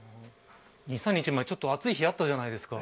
２、３日前暑い日あったじゃないですか。